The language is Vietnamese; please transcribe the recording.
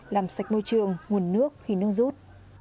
làm sạch môi trường nguồn nước khi nương rút